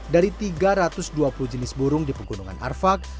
dari tiga ratus dua puluh jenis burung di pegunungan arfak